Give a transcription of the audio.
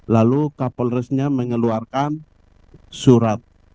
lalu kapolresnya mengeluarkan surat